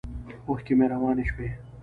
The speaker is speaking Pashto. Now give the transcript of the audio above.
اوښکې مې روانې شوې.